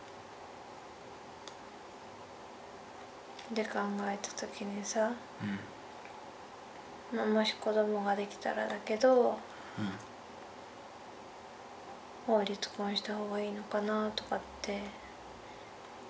で考えた時にさもし子どもができたらだけど法律婚した方がいいのかなとかって考えた時期もあった。